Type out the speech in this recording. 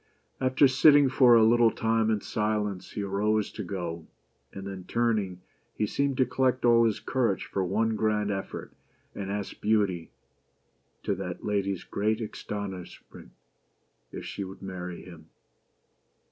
After sitting for a little time in silence, he arose to go, and then, turning, he seemed to collect all his courage for one grand effort, and asked Beauty — to that lady's great astonishment —" If she would marry him."